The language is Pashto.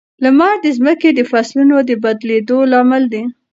لمر د ځمکې د فصلونو د بدلېدو لامل دی.